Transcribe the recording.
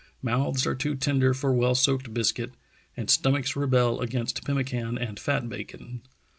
Mouths are too tender for well soaked biscuit, and stomachs rebel against pemmican and fat bacon.